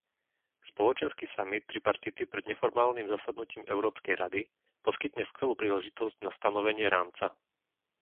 Spoločenský samit tripartity pred neformálnym zasadnutím Európskej rady poskytne skvelú príležitosť na stanovenie rámca.